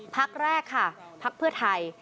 พักแรกค่ะพักเพื่อไทย